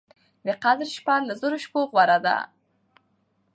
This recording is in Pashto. د قدر شپه له زرو مياشتو غوره ده